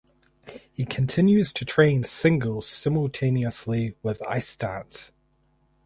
He continues to train singles simultaneously with ice dance.